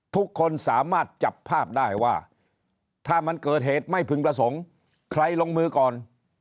ทุกคนสามารถจับภาพได้ว่าถ้ามันเกิดเหตุไม่พึงประสงค์ใครลงมือก่อน